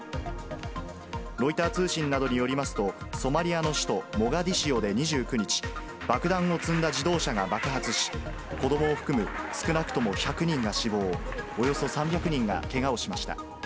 ロイター通信などによりますと、ソマリアの首都モガディシオで２９日、爆弾を積んだ自動車が爆発し、子どもを含む、少なくとも１００人が死亡、およそ３００人がけがをしました。